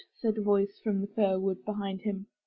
'* said a voice from the fir wood behind him.